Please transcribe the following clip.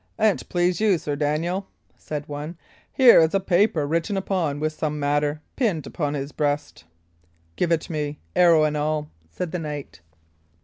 "An't please you, Sir Daniel," said one, "here is a paper written upon with some matter, pinned upon his breast." "Give it me, arrow and all," said the knight.